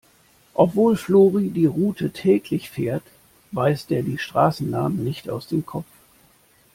Obwohl Flori die Route täglich fährt, weiß der die Straßennamen nicht aus dem Kopf.